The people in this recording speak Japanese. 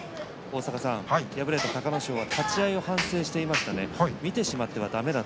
敗れた隆の勝は立ち合いを反省していました。